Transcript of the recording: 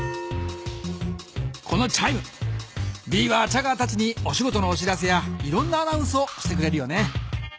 このチャイムヴィーはチャガーたちにお仕事のお知らせやいろんなアナウンスをしてくれるよね。